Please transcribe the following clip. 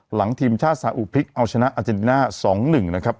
ทีมชาติสาอุพิกเอาชนะอาเจนติน่า๒๑นะครับ